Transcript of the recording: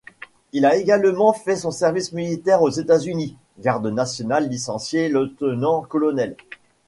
Il a également fait son service militaire aux États-Unis, garde national licencié Lieutenant-colonel.